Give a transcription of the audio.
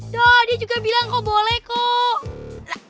duh dia juga bilang kok boleh kok